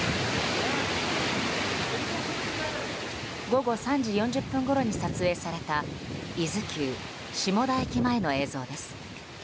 午後３時４０分ごろに撮影された伊豆急下田駅前の映像です。